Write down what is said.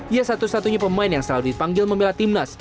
ia satu satunya pemain yang selalu dipanggil membela timnas